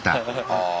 ああ。